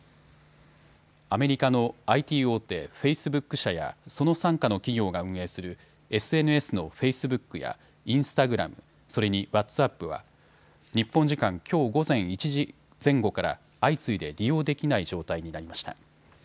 アメリカのＩＴ大手、フェイスブック社やその傘下の企業が運営するＳＮＳのフェイスブックやインスタグラム、それにワッツアップは日本時間きょう午前１時前後から相次いで利用できない状態になりました。